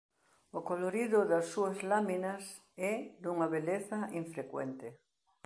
O colorido das súas láminas é dunha beleza infrecuente.